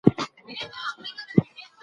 دا کمپیوټر ډېر نری او سپک دی.